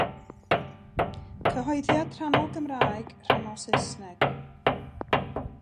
Cyhoeddiad rhannol Gymraeg, rhannol Saesneg.